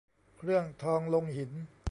เครื่องทองลงหิน